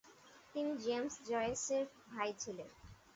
তিনি জেমস জয়েসের ভাই ছিলেন।